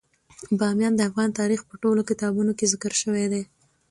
بامیان د افغان تاریخ په ټولو کتابونو کې ذکر شوی دی.